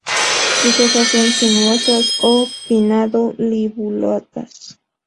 Sus hojas son sinuosas o pinnado-lobuladas.